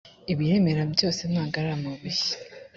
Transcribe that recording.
ibiremera byose ntago aramabuye.